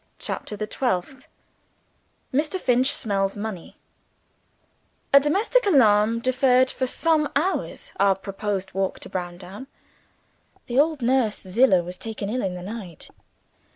CHAPTER THE TWELFTH Mr. Finch smells Money A DOMESTIC alarm deferred for some hours our proposed walk to Browndown. The old nurse, Zillah, was taken ill in the night.